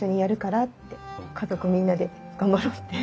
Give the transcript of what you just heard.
家族みんなで頑張ろうって。